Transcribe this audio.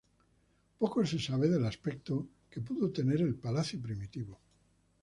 Poco se sabe del aspecto que pudo tener el palacio primitivo.